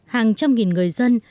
hàng trăm nghìn người dân